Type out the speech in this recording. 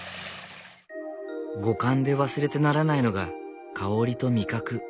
五感で忘れてならないのが香りと味覚。